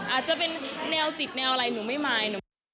อาจจะเป็นแนวจิตแนวอะไรหนูไม่มาย